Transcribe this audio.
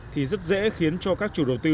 thì rất dễ khiến cho các chủ đầu tư